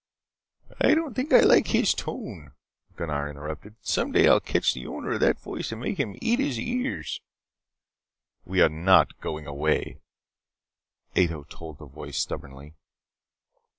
"I don't think I like his tone," Gunnar interrupted. "Some day I will catch the owner of that voice and make him eat his ears." "We are not going away," Ato told the voice stubbornly.